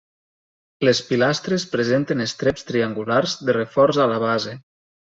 Les pilastres presenten estreps triangulars de reforç a la base.